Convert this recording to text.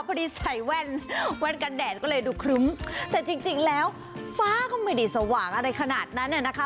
พอดีใส่แว่นแว่นกันแดดก็เลยดูครึ้มแต่จริงแล้วฟ้าก็ไม่ได้สว่างอะไรขนาดนั้นน่ะนะคะ